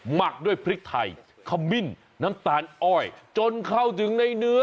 หมักด้วยพริกไทยขมิ้นน้ำตาลอ้อยจนเข้าถึงในเนื้อ